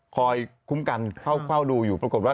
คุ้มกันเฝ้าดูอยู่ปรากฏว่า